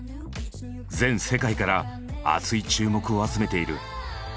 全世界から熱い注目を集めている。